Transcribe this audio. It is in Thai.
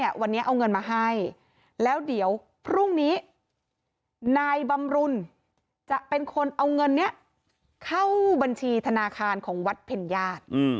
เอาเงินเนี่ยเข้าบัญชีธนาคารของวัดเพ็ญญาติ